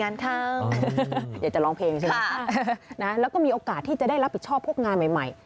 อยากจะร้องเพลงใช่ไหมแล้วก็มีโอกาสที่จะได้รับผิดชอบพวกงานใหม่